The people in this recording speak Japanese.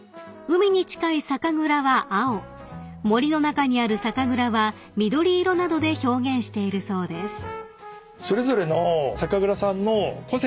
［海に近い酒蔵は青森の中にある酒蔵は緑色などで表現しているそうです］